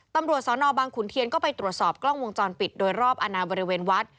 ตำรวจสนบางขุนเทียนก็ไปตรวจสอบกล้องวงจรปิดโดยรอบอาณาบริเวณวัด